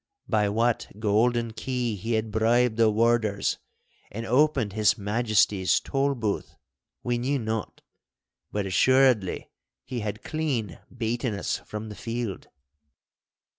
By what golden key he had bribed the warders and opened His Majesty's Tolbooth, we knew not; but assuredly he had clean beaten us from the field.